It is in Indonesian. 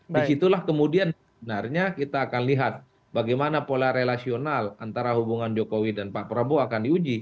disitulah kemudian kita akan lihat bagaimana pola relasional antara hubungan jokowi dan pak prabowo akan diuji